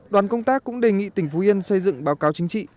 đoàn công tác cũng đề nghị tỉnh phú yên xây dựng báo cáo chính trị